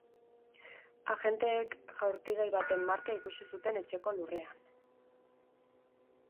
Agenteek jaurtigai baten marka ikusi zuten etxeko lurrean.